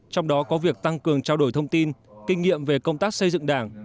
trong đó có việc tăng cường trao đổi thông tin kinh nghiệm về công tác xây dựng đảng